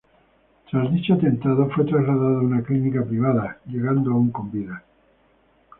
Tras dicho atentado fue trasladado a una clínica privada, llegando aún con vida.